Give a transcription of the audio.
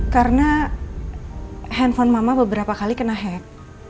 karena handphone mama beberapa kali kena hack